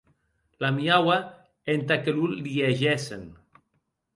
L’amiaue entà que lo liegessen.